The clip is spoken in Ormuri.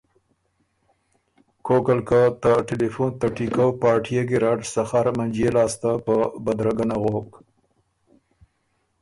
کوک ال که ته ټیلیفون ته ټهیکؤ پارټيې ګیرډ سخر منجئے لاسته په بدرګۀ نغوک